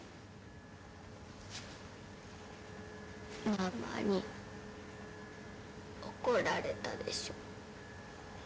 ママに怒られたでしょ。